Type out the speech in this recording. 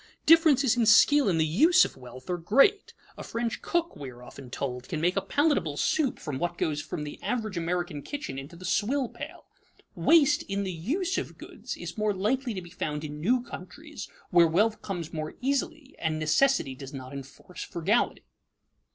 Differences in skill in the use of wealth are great. A French cook, we are often told, can make a palatable soup from what goes from the average American kitchen into the swill pail. Waste in the use of goods is more likely to be found in new countries where wealth comes more easily and necessity does not enforce frugality.